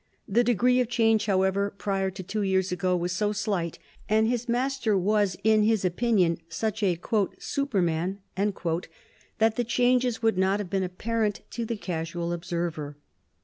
The degree of change, however, prior to two years ago, was so slight and his master was in his opinion such a "superman", that the changes would not have been apparent to the casual observer.